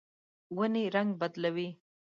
ونې رڼګ بدلوي